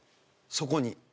そこに。